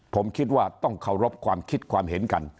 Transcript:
ผมคิดว่าต้องเคารพความคิดความเห็นกัน